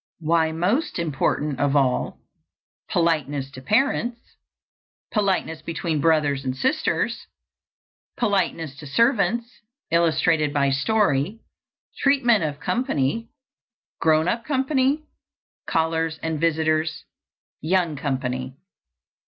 Why most important of all. Politeness to parents. Politeness between brothers and sisters. Politeness to servants. Illustrated by story. _Treatment of company: _ _Grown up company, callers and visitors, young company.